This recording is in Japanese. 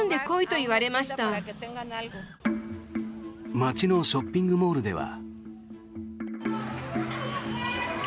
街のショッピングモールでは。